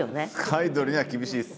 アイドルには厳しいです。